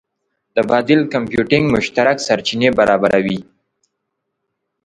د بادل کمپیوټینګ مشترک سرچینې برابروي.